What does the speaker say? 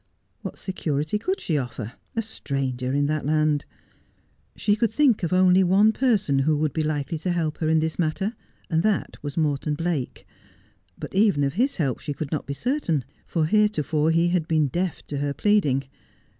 What security could she offer — a stranger in the land 1 She could think of only one person who would be likely to help her in this matter, and that was Morton Blake. But even of his help she could not be certain ; for heretofore he had been deaf to her pleading.